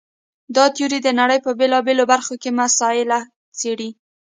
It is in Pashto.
دا تیوري د نړۍ په بېلابېلو برخو کې مسایل څېړي.